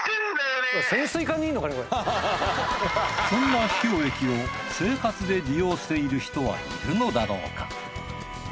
そんな秘境駅を生活で利用している人はいるのだろうか？